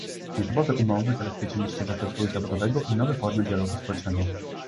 Nietypowe umowy, zabezpieczenie ścieżek rozwoju zawodowego i nowe formy dialogu społecznego